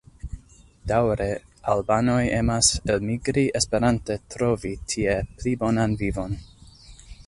Daŭre albanoj emas elmigri esperante trovi tie pli bonan vivon.